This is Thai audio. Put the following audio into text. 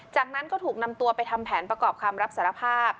จากนั้นก็ถูกนำตัวไปทำแผนประกอบคำรับสารภาพ